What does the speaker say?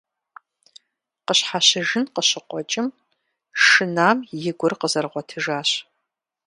Къыщхьэщыжын къыщыкъуэкӀым, шынам и гур къызэрыгъуэтыжащ.